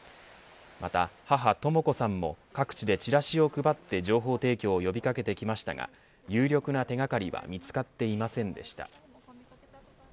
また母、とも子さんも各地でチラシを配って情報提供を呼び掛けてきましたが有力な手掛かりは見つかっていませんでした。